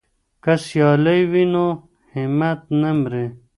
که سیالي وي نو همت نه مري.